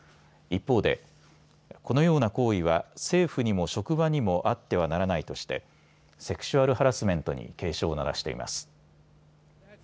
一方でこのような行為は政府にも職場にもあってはならないとしてセクシュアル・ハラスメントに警鐘を鳴らしています。